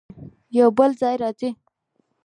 يو بل ځای راځي